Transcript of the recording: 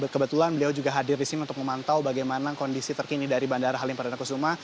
kebetulan beliau juga hadir di sini untuk memantau bagaimana kondisi terkini dari bandara halim perdana kusuma